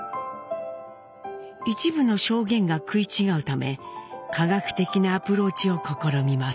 一部の証言が食い違うため科学的なアプローチを試みます。